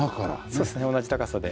そうですね同じ高さで。